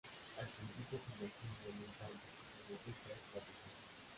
Al principio se imagina en un campo, donde Wilfred "lo acompaña".